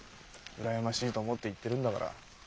羨ましいと思って言ってるんだから。